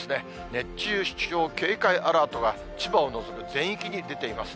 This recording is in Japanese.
熱中症警戒アラートが、千葉を除く全域に出ています。